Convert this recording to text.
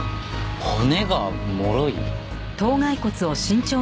骨がもろい？